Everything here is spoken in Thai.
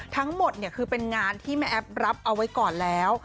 ทั้งหมดคือเป็นงานที่แม่แอฟรับเอาไว้ก่อนแล้ว